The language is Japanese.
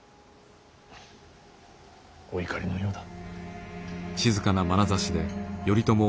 お怒りのようだ。